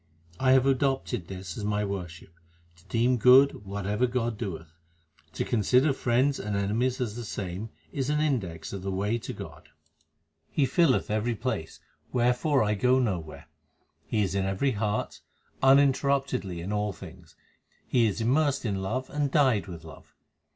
I have adopted this as my worship to deem good what ever God doeth : To consider friends and enemies as the same is an index of the way to God. He filleth every place, wherefore I go nowhere. 1 He is in every heart, uninterruptedly in all things ; He is immersed in love and dyed with love.